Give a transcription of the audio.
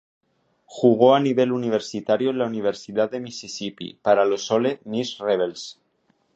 Jugó a nivel universitario en la Universidad de Mississippi para los Ole Miss Rebels.